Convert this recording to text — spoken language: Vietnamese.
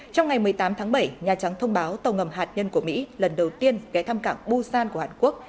trong ngày một mươi tám tháng bảy nhà trắng thông báo tàu ngầm hạt nhân của mỹ lần đầu tiên ghé thăm cảng busan của hàn quốc